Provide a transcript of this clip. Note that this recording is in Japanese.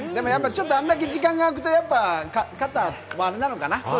あれだけ時間が空くと、肩もあれなのかな？